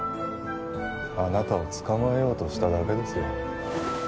あなたを捕まえようとしただけですよ